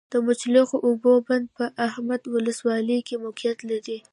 د مچلغو اوبو بند په احمد ابا ولسوالۍ کي موقعیت لری